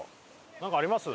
なんかあります？